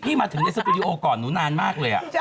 มาถึงในสตูดิโอก่อนหนูนานมากเลย